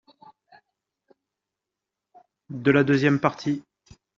de la deuxième partie.